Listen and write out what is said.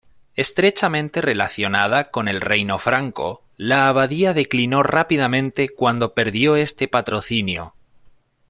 Estrechamente relacionada con el reino Franco, la abadía declinó rápidamente cuando perdió este patrocinio.